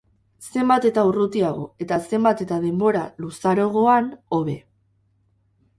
Zenbat eta urrutiago, eta zenbat eta denbora luzarogoan hobe.